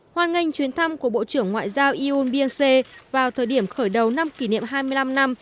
hoan nghênh chuyến thăm của bộ trưởng ngoại giao yoon byung se vào thời điểm khởi đầu năm kỷ niệm hai mươi năm năm